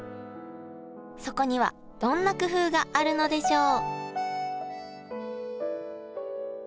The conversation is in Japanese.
そこにはどんな工夫があるのでしょう？